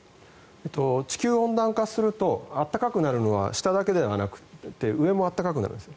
地球温暖化すると暖かくなるのは下だけではなくて上も暖かくなるんです。